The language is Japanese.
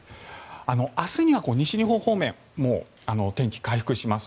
明日には西日本方面天気、回復します。